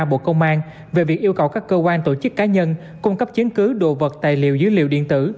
bộ công an về việc yêu cầu các cơ quan tổ chức cá nhân cung cấp chứng cứ đồ vật tài liệu dữ liệu điện tử